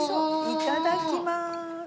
いただきます。